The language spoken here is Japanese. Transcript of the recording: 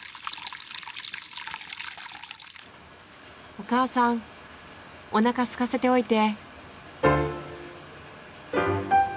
お母さんおなかすかせておいて。